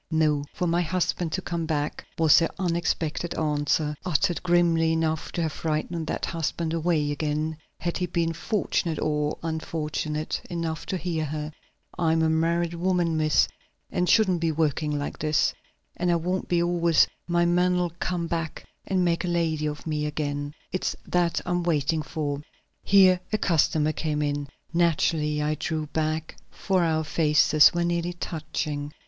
"No, for my husband to come back," was her unexpected answer, uttered grimly enough to have frightened that husband away again, had he been fortunate or unfortunate enough to hear her. "I'm a married woman, Miss, and shouldn't be working like this. And I won't be always; my man'll come back and make a lady of me again. It's that I'm waiting for." Here a customer came in. Naturally I drew back, for our faces were nearly touching.